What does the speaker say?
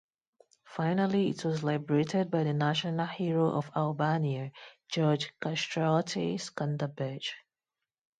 Finally, it was liberated by the national hero of Albania, George Kastrioti Skanderbeg.